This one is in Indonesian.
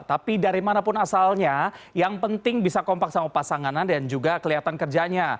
tapi dari manapun asalnya yang penting bisa kompak sama pasangannya dan juga kelihatan kerjanya